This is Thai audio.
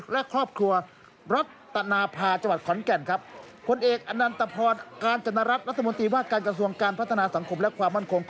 และครอบครัว